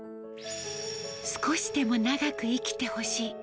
少しでも長く生きてほしい。